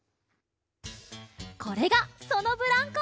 これがそのブランコ！